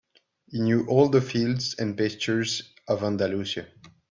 He knew all the fields and pastures of Andalusia.